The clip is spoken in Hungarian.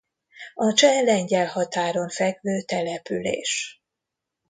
A cseh-lengyel határon fekvő település.